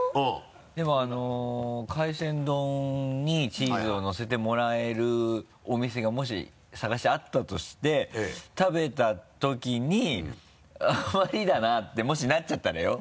海鮮丼にチーズを乗せてもらえるお店がもし探してあったとして食べたときにあまりだなってもしなっちゃったらよ？